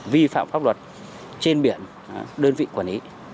vi phạm pháp luật trên biển đơn vị quản lý